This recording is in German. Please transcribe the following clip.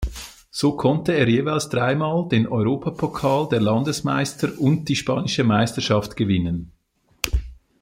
So konnte er jeweils dreimal den Europapokal der Landesmeister und die spanische Meisterschaft gewinnen.